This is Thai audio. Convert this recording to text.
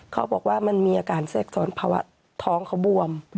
เขาบอกว่ามันมีอาการแทรกซ้อนภาวะท้องเขาบวม